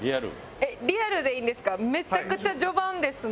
えっリアルでいいんですか？